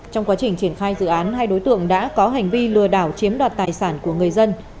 trong quá trình triển khai dự án hai đối tượng đã có hành vi lừa đảo chiếm đoạt tài sản của người dân